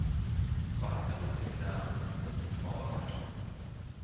Weitere Seminare sind in Vorbereitung.